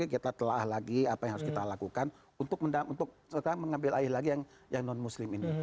kita telah lagi apa yang harus kita lakukan untuk mengambil alih lagi yang non muslim ini